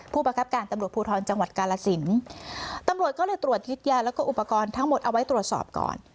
ประคับการตำรวจภูทรจังหวัดกาลสินตำรวจก็เลยตรวจยึดยาแล้วก็อุปกรณ์ทั้งหมดเอาไว้ตรวจสอบก่อน